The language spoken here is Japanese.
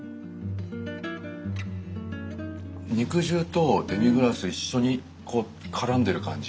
肉汁とデミグラス一緒にからんでる感じ。